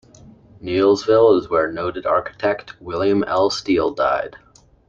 Neillsville is where noted architect William L. Steele died.